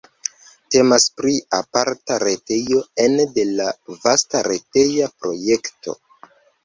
Temas pri aparta retejo ene de la vasta reteja projekto.